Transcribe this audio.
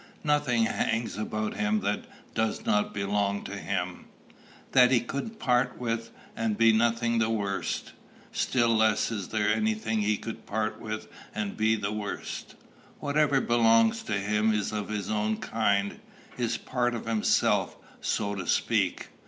Nothing hangs about him that does not belong to him, that he could part with and be nothing the worse. Still less is there any thing he could part with and be the worse. Whatever belongs to him is of his own kind, is part of himself, so to speak.